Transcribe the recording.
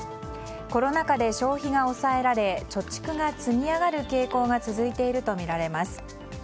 コロナ禍で消費が抑えられ貯蓄が積み上がる傾向が続いているとみられます。